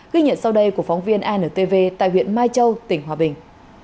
ghi nhận sau đây của phóng viên antv tại huyện mai châu tỉnh hòa bình